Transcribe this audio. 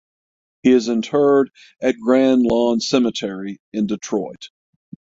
He is interred at Grand Lawn Cemetery in Detroit.